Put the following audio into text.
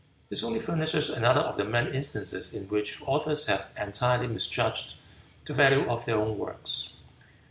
This only furnishes another of the many instances in which authors have entirely misjudged the value of their own works.